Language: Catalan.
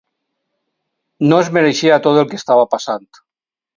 No es mereixia tot el que estava passant...